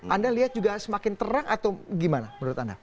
anda lihat juga semakin terang atau gimana menurut anda